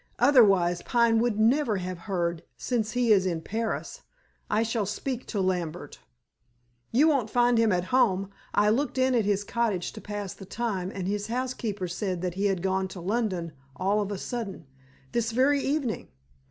"Otherwise Pine would never have heard, since he is in Paris. I shall speak to Lambert." "You won't find him at home. I looked in at his cottage to pass the time, and his housekeeper said that he had gone to London all of a sudden, this very evening."